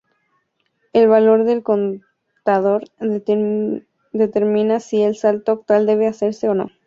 El valor del contador determina si el salto actual debe hacerse o no.